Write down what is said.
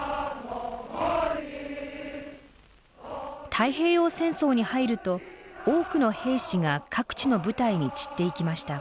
太平洋戦争に入ると多くの兵士が各地の部隊に散っていきました。